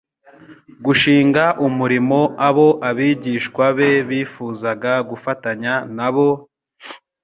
Gushinga umurimo abo abigishwa be bifuzaga gufatanya nabo,